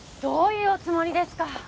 どういうおつもりですか？